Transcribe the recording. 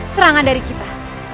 serangan dari kita